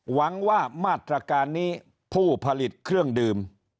หวังว่ามาตรการนี้ผู้ผลิตเครื่องดื่ม